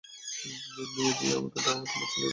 মেয়ে দিয়ে আমাকে দাও তোমার ছেলের জায়গাটি।